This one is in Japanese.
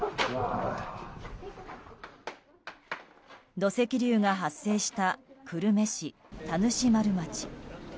土石流が発生した久留米市田主丸町。